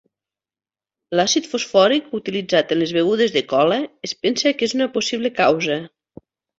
L'àcid fosfòric utilitzat en les begudes de cola es pensa que és una possible causa.